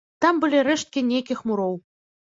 Там былі рэшткі нейкіх муроў.